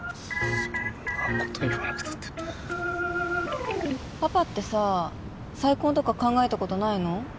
そんなこと言わなくたってパパってさ再婚とか考えたことないの？